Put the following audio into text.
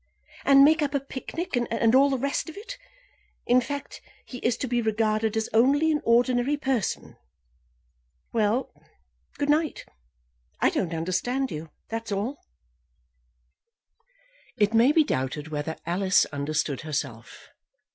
"And make up a picnic, and all the rest of it. In fact, he is to be regarded as only an ordinary person. Well; good night. I don't understand you, that's all." It may be doubted whether Alice understood herself.